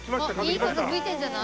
いい風吹いてるんじゃない？